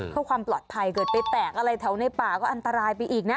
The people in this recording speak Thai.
เพื่อความปลอดภัยเกิดไปแตกอะไรแถวในป่าก็อันตรายไปอีกนะ